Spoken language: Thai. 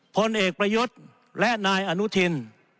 พลเอกประยุทธ์และนายอนุทิน